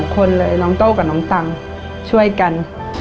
คนเลยน้องโต้กับน้องตังช่วยกัน